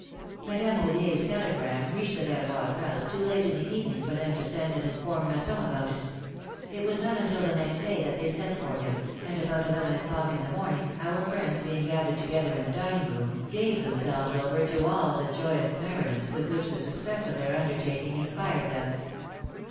ADAME AUBIER'S telegram reached the Ver JAJL roys' house too late in the evening for them to send and inform Masson about it. It was not until the next day that they sent for him, and about eleven o'clock in the morning, our friends being gathered together in the dining room, gave themselves over to all the joyous mer riment with which the success of their undertaking inspired them.